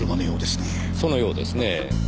そのようですねぇ。